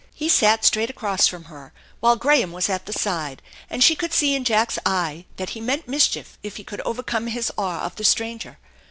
He sat straight across from her, while Graham was at the side, and she could see in Jack's eye that he meant mischief if he could overcome his awe of the stranger.